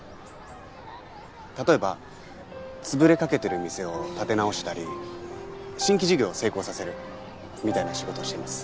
例えば潰れかけてる店を立て直したり新規事業を成功させるみたいな仕事をしてます。